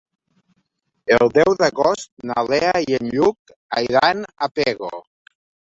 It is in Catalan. El deu d'agost na Lea i en Lluc iran a Pego.